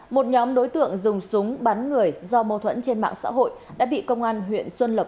một nhóm đối tượng dùng súng bắn người do mâu thuẫn trên mạng xã hội đã bị công an huyện xuân lộc